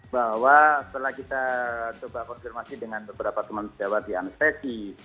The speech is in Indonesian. bahwa setelah kita coba konfirmasi dengan beberapa teman sejawat di anestesi